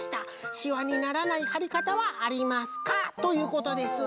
しわにならないはりかたはありますか？」ということです。